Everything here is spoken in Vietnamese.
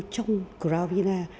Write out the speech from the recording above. trong crown villa